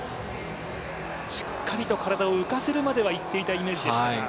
しっかりと体を浮かせるまではいっていたイメージでしたが。